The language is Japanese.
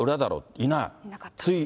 いない。